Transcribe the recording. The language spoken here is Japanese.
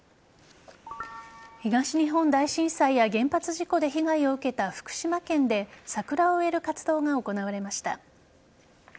東日本大震災や原発事故で被害を受けた福島県で桜を植える活動が行われました。